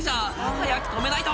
「早く止めないと！